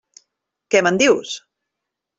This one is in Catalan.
Què me'n dius?